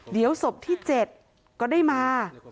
เดี๋ยวศพที่๗ก็ได้มา